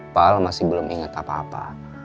pak al masih belum inget apa apa